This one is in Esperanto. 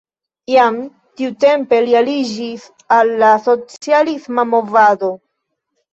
Jam tiutempe li aliĝis al la socialisma movado.